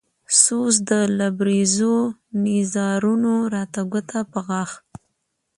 سوز د لبرېزو نيزارونو راته ګوته په غاښ